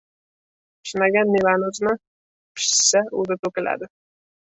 • Pishmagan mevani uzma, pishsa o‘zi to‘kiladi.